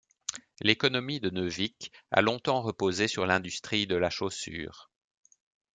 L'économie de Neuvic a longtemps reposé sur l'industrie de la chaussure.